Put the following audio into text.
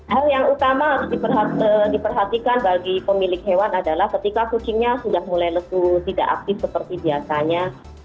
hal yang utama harus diperhatikan bagi pemilik hewan adalah ketika kucingnya sudah mulai lesu tidak aktif seperti biasanya